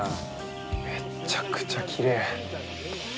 めっちゃくちゃきれい。